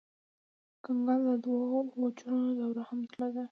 کنګل د دوه اوجونو دوره هم درلوده.